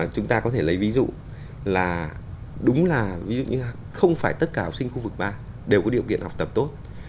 chúng ta có thể lấy ví dụ là đúng là không phải tất cả học sinh khu vực ba đều có điều kiện học tập tốt